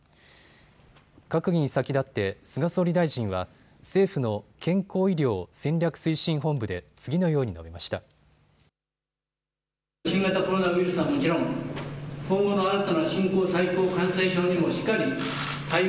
閣議に先立って菅総理大臣は政府の健康・医療戦略推進本部で次のように述べました。